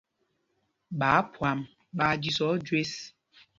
Ɓááphwam ɓaa jísɔ̄ɔ̄ jüés.